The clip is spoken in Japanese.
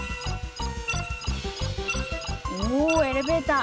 おエレベーター！